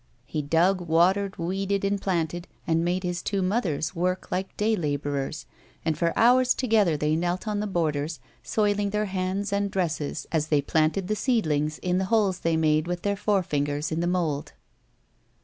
He dug, watered, weeded, and planted, and made his two mothers work like day labourers, and for hours together they knelt on the borders, soiling their hands and dresses as they planted the seedlings in the holes they made with their forefingers in the mould.